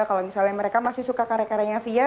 kalau misalnya mereka masih suka karya karyanya fia